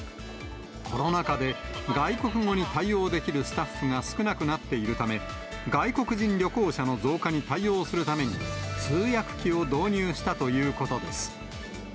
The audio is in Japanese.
コロナ禍で、外国語に対応できるスタッフが少なくなっているため、外国人旅行者の増加に対応するために、通訳機を導入したということです。